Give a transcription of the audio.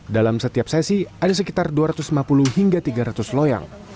dalam setiap sesi ada sekitar dua ratus lima puluh hingga tiga ratus loyang